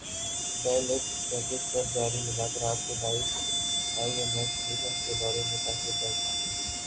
bell it package پر جاری مذاکرات کے باعث ائی ایم ایف مشن کے دورے میں تاخیر کا امکان